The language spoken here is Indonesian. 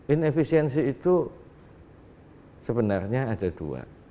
inefisiensi itu sebenarnya ada dua